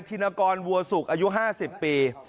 นกรวัวสุกอายุ๕๐ปี